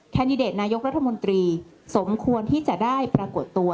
แดดิเดตนายกรัฐมนตรีสมควรที่จะได้ปรากฏตัว